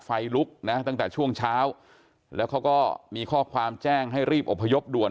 ไฟลุกนะตั้งแต่ช่วงเช้าแล้วเขาก็มีข้อความแจ้งให้รีบอบพยพด่วน